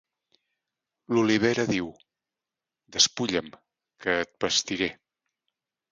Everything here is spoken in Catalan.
L'olivera diu: Despulla'm, que et vestiré.